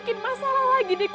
aku gak mau kehilangan kak iko